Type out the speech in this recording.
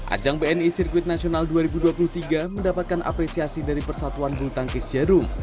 ajang bni sirkuit nasional dua ribu dua puluh tiga mendapatkan apresiasi dari persatuan bulu tangkis jarum